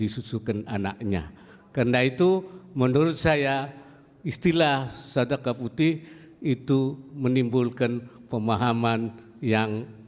disusukan anaknya karena itu menurut saya istilah sadaka putih itu menimbulkan pemahaman yang